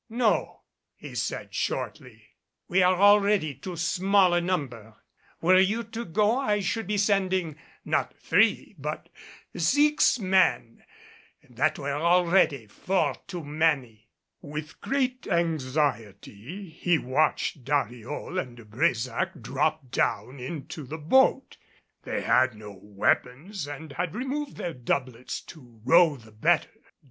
"No," he said shortly, "we are already too small a number. Were you to go I should be sending not three, but six, men and that were already four too many." With great anxiety he watched Dariol and De Brésac drop down into the boat. They had no weapons and had removed their doublets to row the better.